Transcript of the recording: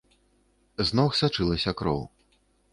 З ног сачылася кроў.